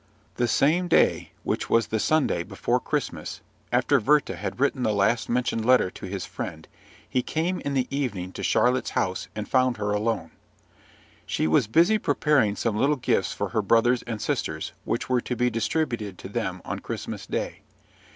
The same day, which was the Sunday before Christmas, after Werther had written the last mentioned letter to his friend, he came in the evening to Charlotte's house, and found her alone. She was busy preparing some little gifts for her brothers and sisters, which were to be distributed to them on Christmas Day.